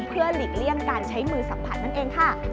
เพื่อหลีกเลี่ยงการใช้มือสัมผัสนั่นเองค่ะ